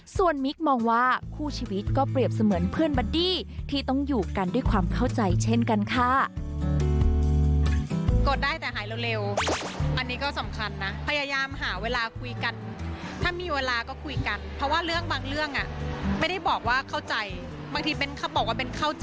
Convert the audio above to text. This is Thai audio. ส่วนมิ๊กมองว่าคู่ชีวิตก็เปรียบเสมือนเพื่อนบัดดี้ที่ต้องอยู่กันด้วยความเข้าใจเช่นกันค่ะ